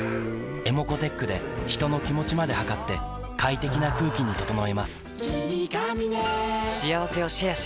ｅｍｏｃｏーｔｅｃｈで人の気持ちまで測って快適な空気に整えます